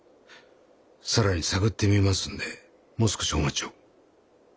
更に探ってみますんでもう少しお待ちを。